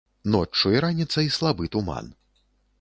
Ноччу і раніцай слабы туман.